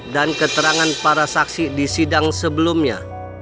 dan keterangan para saksi di sidang sebelumnya